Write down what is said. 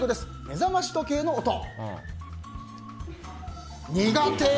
目覚まし時計の音。